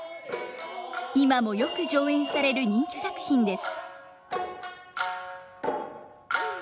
今もよく上演される人気作品です。